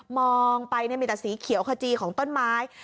มองไปมีแต่สีเขียวขจีของต้นไม้